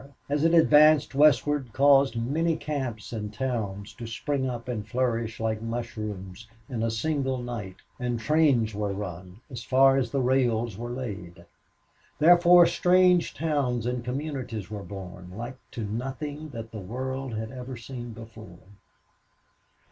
as it advanced westward caused many camps and towns to spring up and flourish, like mushrooms, in a single night; and trains were run as far as the rails were laid. Therefore strange towns and communities were born, like to nothing that the world had ever seen before.